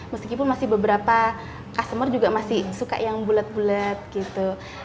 meskipun masih beberapa customer juga masih suka yang bulat bulet gitu